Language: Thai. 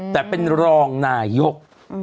แต่เป็นรองนายก